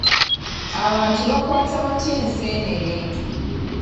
Abantu bakwata batya enseenene?